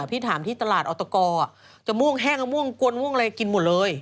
พี่ถามที่ตลาดออตกจะม่วงแห้งมะม่วงกวนม่วงอะไรกินหมดเลย